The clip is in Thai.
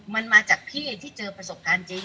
มันมาจากพี่ที่เจอประสบการณ์จริง